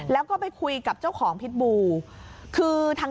แล้วก็ไปคุยกับเจ้าของพิษบูคือทาง